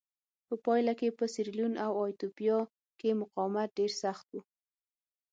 په پایله کې په سیریلیون او ایتوپیا کې مقاومت ډېر سخت و.